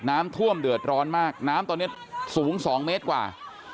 น้ำท่วมเดือดร้อนมากน้ำตอนนี้สูง๒เมตรกว่า